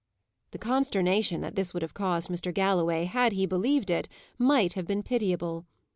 The consternation that this would have caused Mr. Galloway, had he believed it, might have been pitiable.